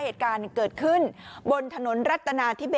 เหตุการณ์เกิดขึ้นบนถนนรถไฟฟ้าสายสีพ่วง